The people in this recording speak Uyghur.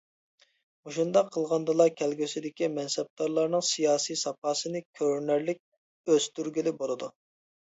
مۇشۇنداق قىلغاندىلا كەلگۈسىدىكى مەنسەپدارلارنىڭ سىياسىي ساپاسىنى كۆرۈنەرلىك ئۆستۈرگىلى بولىدۇ.